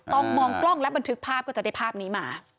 มองกล้องและบันทึกภาพก็จะได้ภาพนี้มา